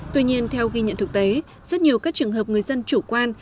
tuy nhiên theo ghi nhận thực tế rất nhiều các trường hợp người dân chủ quan